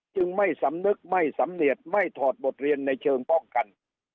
จึงไม่สำนึกไม่สำเนียดไม่ถอดบทเรียนในเชิงป้องกัน